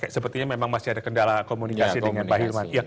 sepertinya memang masih ada kendala komunikasi dengan pak herman